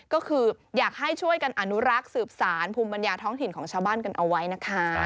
ก็คืออยากให้ช่วยกันอนุรักษ์สืบสารภูมิปัญญาท้องถิ่นของชาวบ้านกันเอาไว้นะคะ